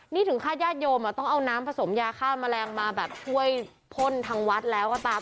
นี่ถึงคาดญาติโยมต้องเอาน้ำผสมยาฆ่าแมลงมาแบบช่วยพ่นทางวัดแล้วก็ตาม